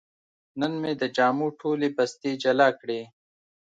نن مې د جامو ټولې بستې جلا کړې.